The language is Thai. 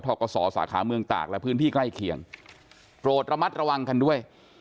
กศสาขาเมืองตากและพื้นที่ใกล้เคียงโปรดระมัดระวังกันด้วย